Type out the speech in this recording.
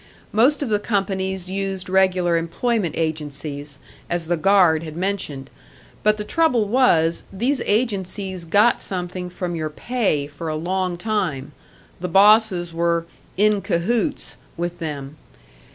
Most of the companies used regular employment agencies, as the guard had mentioned; but the trouble was, these agencies got something from your pay for a long time the bosses were "in cahoots" with them.